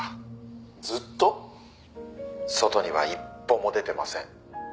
「外には一歩も出てません」